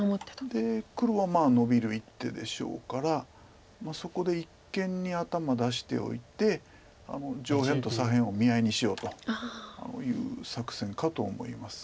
で黒はノビる一手でしょうからそこで一間に頭出しておいて上辺と左辺を見合いにしようという作戦かと思います。